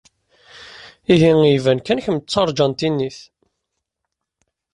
Ihi iban kan kemm d taṛjentinit.